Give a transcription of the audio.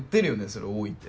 それ多いって。